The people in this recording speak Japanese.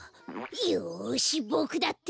よしボクだって！